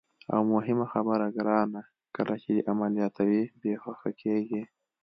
او مهمه خبره ګرانه، کله چې دې عملیاتوي، بېهوښه کېږي.